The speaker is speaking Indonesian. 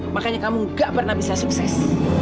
makanya kamu gak pernah bisa sukses